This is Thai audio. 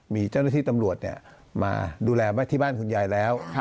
มีเจ้าหน้าที่ตำรวจมาดูแลที่บ้านคุณยายแล้ว